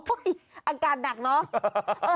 โอ๊ยอากาศหนักเนาะ